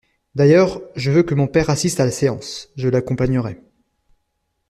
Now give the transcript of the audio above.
D'ailleurs, je veux que mon père assiste à la séance: je l'accompagnerai.